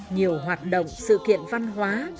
nhiều hoạt động sự kiện văn hóa